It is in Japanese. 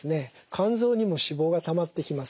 肝臓にも脂肪がたまってきます。